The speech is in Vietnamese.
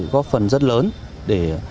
góp phần rất lớn để